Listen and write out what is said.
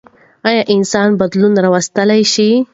ايا انسانان بدلون راوستلی شي؟